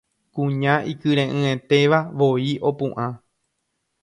Kuña ikyre'ỹetéva voi opu'ã